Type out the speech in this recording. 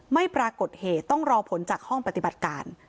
ไม่ปรากฏเหตุต้องรอผลจากห้องปฏิบัติการ